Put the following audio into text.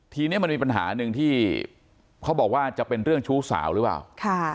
ทีนี้มันมีปัญหาหนึ่งที่เขาบอกว่าจะเป็นเรื่องชู้สาวหรือเปล่าค่ะ